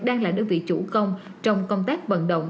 đang là đơn vị chủ công trong công tác vận động